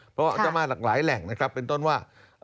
เพราะจะมาหลากหลายแหล่งนะครับเป็นต้นว่า